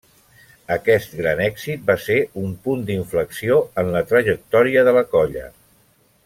Aquest gran èxit va ser un punt d'inflexió en la trajectòria de la colla.